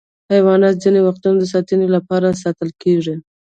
حیوانات ځینې وختونه د ساتنې لپاره ساتل کېږي.